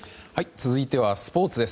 続いてはスポーツです。